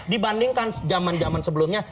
dibandingkan zaman zaman sebelumnya